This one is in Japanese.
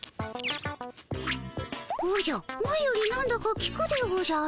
おじゃ前よりなんだかきくでおじゃる。